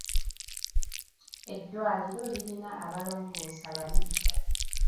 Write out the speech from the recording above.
Eddwaliro lirina abalongoosa babiri.